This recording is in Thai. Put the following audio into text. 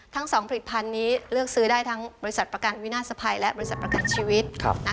ทั้ง๒ผลิตภัณฑ์นี้เลือกซื้อได้ทั้งบริษัทประกันวินาศภัยและบริษัทประกันชีวิต